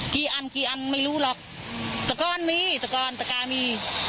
กี่อันกี่อันไม่รู้หรอกตะกอนมีตะกอนตะกามี